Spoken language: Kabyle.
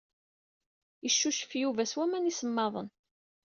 Icucef Yuba s waman isemmaḍen.